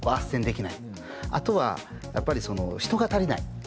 あとはやっぱり人が足りない。